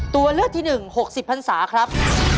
ตัวเลือกที่๑๖๐พันศาครับ